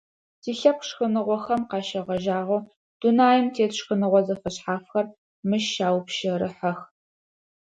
Тилъэпкъ шхыныгъохэм къащегъэжьагъэу, дунаим тет шхыныгъо зэфэшъхьафхэр мыщ щаупщэрыхьэх.